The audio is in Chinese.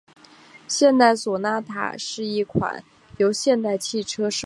现代索纳塔是一款由现代汽车设计的中级轿车。